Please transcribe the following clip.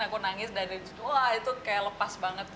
aku nangis dan ada disitu wah itu kayak lepas banget